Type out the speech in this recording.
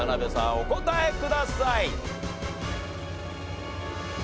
お答えください。